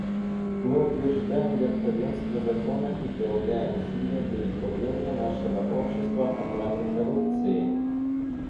Мы утверждаем верховенство закона и прилагаем усилия для избавления нашего общества от рака коррупции.